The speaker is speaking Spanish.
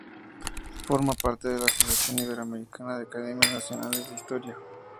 Forma parte de la Asociación Iberoamericana de Academias Nacionales de Historia.